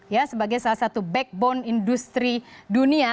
ya sebagai salah satu backbone industri dunia